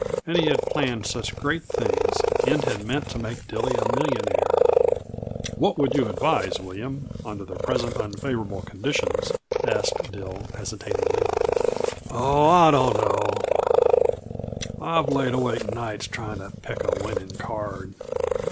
And he had planned such great things, and had meant to make Dilly a millionaire! "What would you advise, William, under the present unfavorable conditions?" asked Dill hesitatingly. "Oh, I dunno. I've laid awake nights tryin' to pick a winning card.